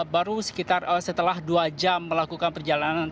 baru sekitar setelah dua jam melakukan perjalanan